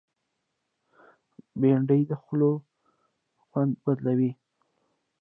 بېنډۍ د خولو خوند بدلوي